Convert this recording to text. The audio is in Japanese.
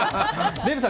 デーブさん